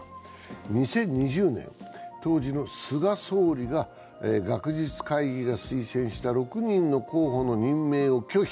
２０２０年、当時の菅総理が学術会議が推薦した６人の候補の任命を拒否。